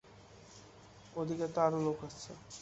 ওদিকে তো আরো লোক আছে।